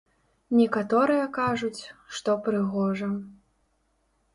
Некаторыя кажуць, што прыгожа.